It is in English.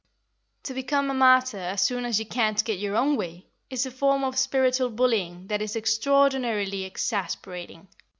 To become a martyr as soon as you can't get your own way, is a form of spiritual bullying that is extraordinarily exasperating.